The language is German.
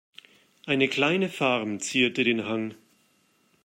Eine kleine Farm zierte den Hang.